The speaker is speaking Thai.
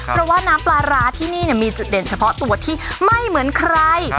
เพราะว่าน้ำปลาร้าที่นี่มีจุดเด่นเฉพาะตัวที่ไม่เหมือนใคร